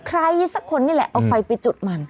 ใครสักคนนี่แหละเอาไฟไปจุดมัน